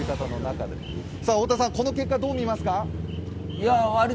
太田さん、この結果、どう見ますか？